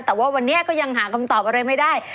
แต่ว่าวันนี้ก็ยังหาคำตอบอะไรไม่ได้